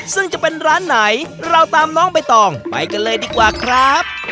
ซึ่งจะเป็นร้านไหนเราตามน้องใบตองไปกันเลยดีกว่าครับ